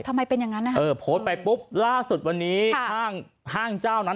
ทำไมเป็นอย่างนั้นนะคะเออโพสต์ไปปุ๊บล่าสุดวันนี้ห้างห้างเจ้านั้น